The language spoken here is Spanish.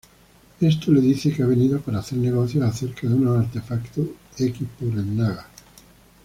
Este le dice que ha venido para hacer negocios acerca de unos artefactos Xel'Naga.